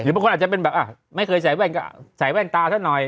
หรือบางคนอาจจะเป็นแบบอ่ะไม่เคยใส่แว่นใส่แว่นตาเท่าน้อย